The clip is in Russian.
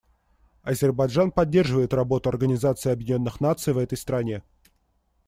Азербайджан поддерживает работу Организации Объединенных Наций в этой стране.